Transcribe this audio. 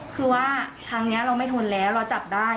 คือว่าครั้งนี้เราไม่ทนแล้วเราจับได้